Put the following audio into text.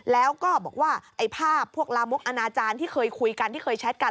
แล้วก็บอกว่าไอ้ภาพพวกลามกอนาจารย์ที่เคยคุยกันที่เคยแชทกัน